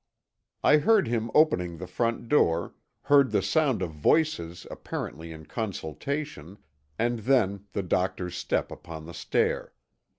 I heard him opening the front door, heard the sound of voices apparently in consultation, and then the doctor's step upon the stair.